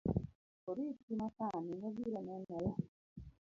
Oriti masani, wabiro nenore